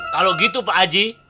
kalau gitu pak aji